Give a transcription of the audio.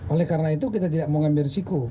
oleh karena itu kita tidak mau ambil risiko